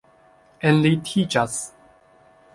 enlitiĝas